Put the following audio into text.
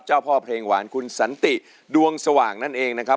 เจ้าพ่อเพลงหวานคุณสันติดวงสว่างนั่นเองนะครับ